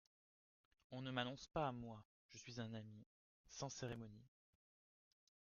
On ne m’annonce pas, moi… je suis un ami… sans cérémonie…